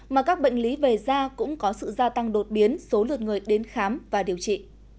mà các bệnh lý về da cũng có sự gia tăng đột biến số lượt người đến khám và điều trị